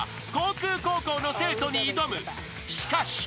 ［しかし］